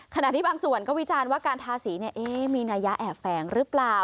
ขณะที่บางส่วนก็วิจารณ์ว่าการทาสีมีนัยะแอบแฝงหรือเปล่า